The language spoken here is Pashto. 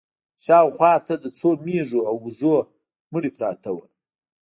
شا و خوا ته د څو مېږو او وزو مړي پراته وو.